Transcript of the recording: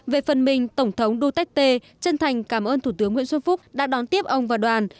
về phần mình tổng thống duterte chân thành cảm ơn thủ tướng nguyễn xuân phúc đã đón tiếp ông và đoàn